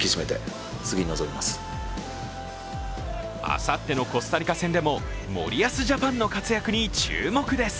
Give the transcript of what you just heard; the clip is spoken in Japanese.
あさってのコスタリカ戦でも森保ジャパンの活躍に注目です。